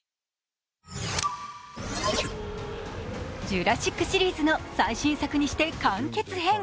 「ジュラシック」シリーズの最終作にして完結編。